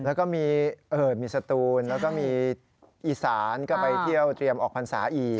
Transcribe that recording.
แล้วก็มีสตูนแล้วก็มีอีสานก็ไปเที่ยวเตรียมออกพรรษาอีก